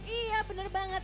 iya benar banget